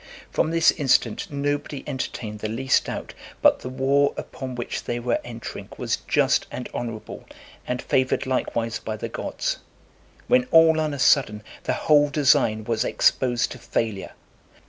From this incident, nobody entertained the least doubt but the war upon which they were entering was just and honourable, and favoured likewise by the gods; when all on a sudden the whole design was exposed to failure.